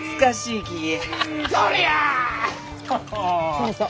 そうそう。